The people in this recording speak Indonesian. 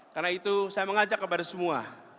karena itu saya mengajak kepada semua